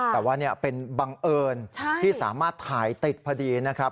แต่ว่าเป็นบังเอิญที่สามารถถ่ายติดพอดีนะครับ